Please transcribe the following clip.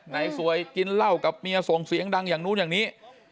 สวยกินเหล้ากับเมียส่งเสียงดังอย่างนู้นอย่างนี้